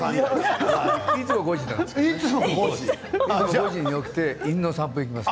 いつも５時起きなんです。